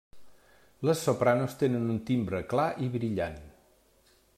Les sopranos tenen un timbre clar i brillant.